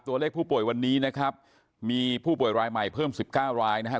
ตัวเลขผู้ป่วยวันนี้นะครับมีผู้ป่วยรายใหม่เพิ่ม๑๙รายนะครับ